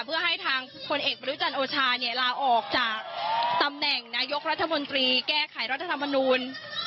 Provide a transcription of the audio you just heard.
เพื่อให้ทางพลเอกประยุจันทร์โอชาเนี่ยลาออกจากตำแหน่งนายกรัฐมนตรีแก้ไขรัฐธรรมนูล